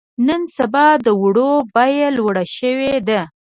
نن سبا د وړو بيه لوړه شوې ده.